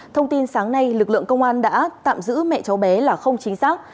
thông tin sáng nay lực lượng công an đã tạm giữ mẹ cháu bé là không chính xác